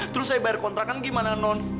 terus saya bayar kontrakan gimana non